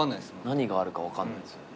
何があるか分かんないっす。